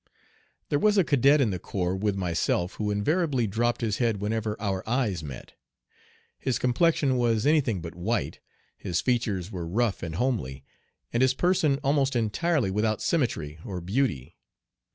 There was a cadet in the corps with myself who invariably dropped his head whenever our eyes met. His complexion was any thing but white, his features were rough and homely, and his person almost entirely without symmetry or beauty.